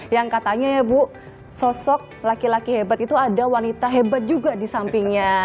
yang katanya ya bu sosok laki laki hebat itu ada wanita hebat juga di sampingnya